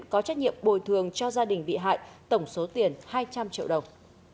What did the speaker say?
có trách nhiệm bồi thường cho gia đình bị hại tổng số tiền hai trăm linh triệu đồng